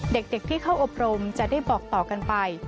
เด็กที่เข้าอบรมจะได้บอกต่อกันไป